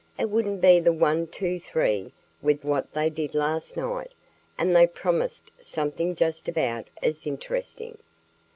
"It wouldn't be one two three with what they did last night, and they promised something just about as interesting."